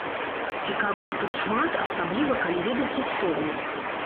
Цікавага тут шмат, асабліва калі ведаць гісторыю.